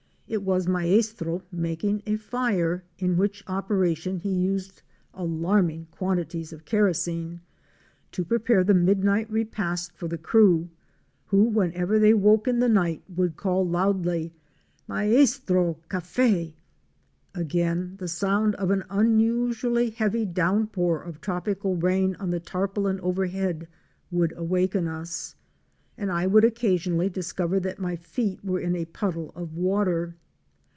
It was Maestro making a fire, in Fic. 46. GUARAUNO SQUAWS AND CHILD wiTH MONKEY. which operation he used alarming quantities of kerosene, to prepare the midnight repast for the crew, who whenever they woke in the night would call loudly " Maestro — café!" Again the sound of an unusually heavy downpour of trop ical rain on the tarpaulin overhead would waken us, and I would occasionally discover that my feet were in a puddle of water.